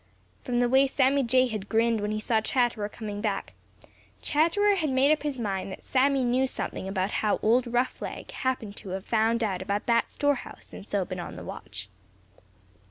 From the way Sammy Jay had grinned when he saw Chatterer coming back, Chatterer had made up his mind that Sammy knew something about how old Roughleg happened to have found out about that store house and so been on the watch.